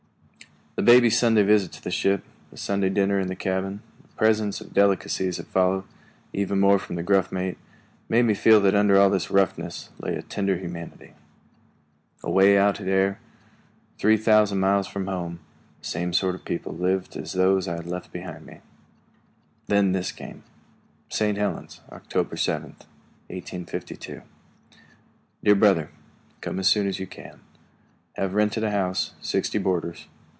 The baby's Sunday visit to the ship, the Sunday dinner in the cabin, the presents of delicacies that followed, even from the gruff mate, made me feel that under all this roughness lay a tender humanity. Away out here, three thousand miles from home, the same sort of people lived as those I had left behind me. Then came this message: St. Helens, October 7th, 1852. Dear Brother: Come as soon as you can. Have rented a house, sixty boarders.